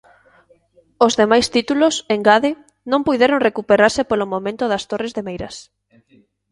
Os demais títulos, engade, non puideron recuperarse polo momento das Torres de Meirás.